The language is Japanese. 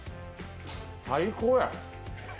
最高や。